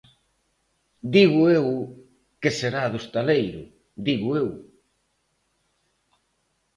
Digo eu que será do estaleiro, ¡digo eu!